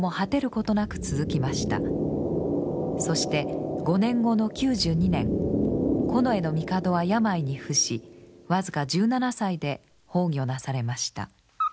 そして５年後の久寿２年近衛帝は病に伏し僅か１７歳で崩御なされました。